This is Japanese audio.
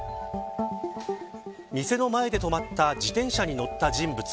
店の前で止まった自転車に乗った人物。